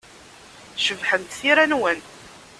Cebḥent tira-nwen.